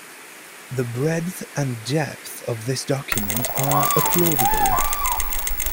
The breadth and depth of this document are applaudable.